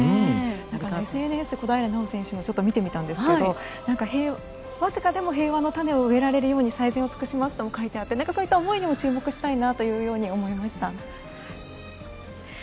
ＳＮＳ、小平奈緒選手のを見てみたんですけどわずかでも平和の種を植えられるように最善を尽くしますとも書いてあってそういった思いにも注目したいなと思いました。